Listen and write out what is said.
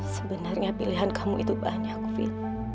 sebenarnya pilihan kamu itu banyak fit